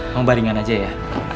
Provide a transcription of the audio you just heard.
mama baringan aja ya